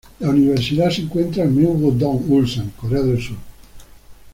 La universidad se encuentra en Mugeo-dong, Ulsan, Corea del Sur.